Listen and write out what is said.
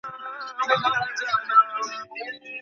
সিটের নিচে দেখেছ?